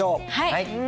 はい。